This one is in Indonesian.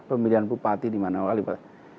pemilihan bupati di mana mana